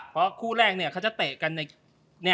เพราะคู่แรกเนี่ยเขาจะเตะกันใน